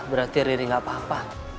berarti riri gak apa apa